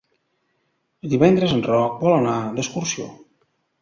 Divendres en Roc vol anar d'excursió.